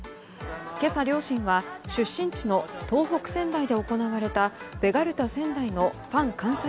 今朝、両親は出身地の東北・仙台で行われたベガルタ仙台のファン感謝